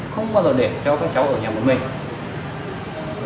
không bao giờ để cho các cháu ở nhà một mình